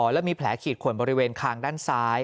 และมีแผลขีดขวนบริเวณคางด้านซ้าย